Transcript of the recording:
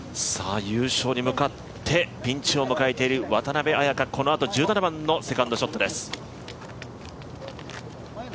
優勝に向かってピンチを迎えている渡邉彩香、このあと１７番のセカンドショットです。